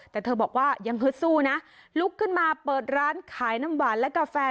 แต่เธอบอกว่ายังฮึดสู้นะลุกขึ้นมาเปิดร้านขายน้ำหวานและกาแฟ